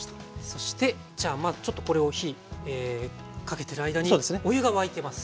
そしてじゃあちょっとこれを火かけてる間にお湯が沸いてます。